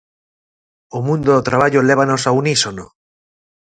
O mundo do traballo lévanos a Unísono.